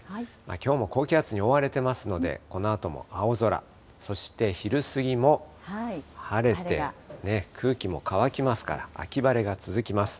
きょうも高気圧に覆われてますので、このあとも青空、そして昼過ぎも晴れて、空気も乾きますから、秋晴れが続きます。